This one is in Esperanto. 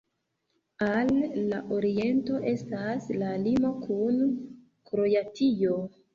Al la oriento estas la limo kun Kroatio.